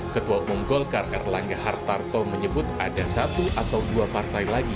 ketua umum golkar erlangga hartarto menyebut ada satu atau dua partai lagi